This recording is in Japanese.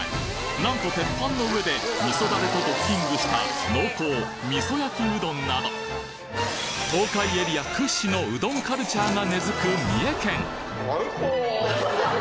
なんと鉄板の上で味噌ダレとドッキングした濃厚みそ焼きうどんなど東海エリア屈指のうどんカルチャーが根付く三重県